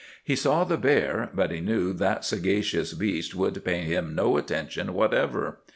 He saw the bear, but he knew that sagacious beast would pay him no attention whatever.